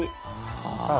ああ。